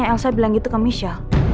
aku gak pernah bilang begitu ke michelle